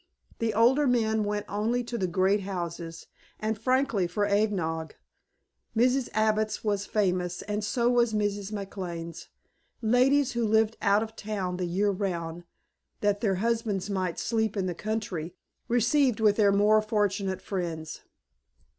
The older men went only to the great houses, and frankly for eggnog. Mrs. Abbott's was famous and so was Mrs. McLane's. Ladies who lived out of town the year round, that their husbands might "sleep in the country!" received with their more fortunate friends.